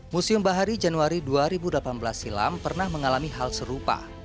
museum bahari januari dua ribu delapan belas silam pernah mengalami hal serupa